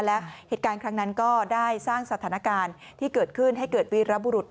และเหตุการณ์ครั้งนั้นก็ได้สร้างสถานการณ์ที่เกิดขึ้นให้เกิดวีรบุรุษ